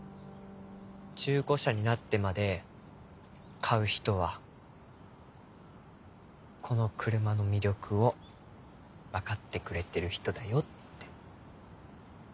「中古車になってまで買う人はこの車の魅力を分かってくれてる人だよ」って。